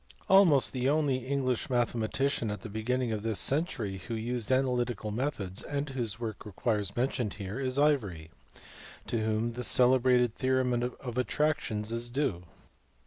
Ivory. Almost the only English mathematician at the beginning of this century who used analytical methods and whose work requires mention here is Ivory, to whom the celebrated theorem in attractions is due.